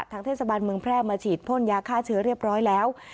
เทศบาลเมืองแพร่มาฉีดพ่นยาฆ่าเชื้อเรียบร้อยแล้ว